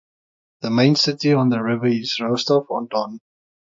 The main city on the river is Rostov on Don.